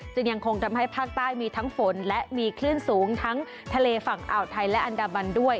จึงยังคงทำให้ภาคใต้มีทั้งฝนและมีคลื่นสูงทั้งทะเลฝั่งอ่าวไทยและอันดามันด้วย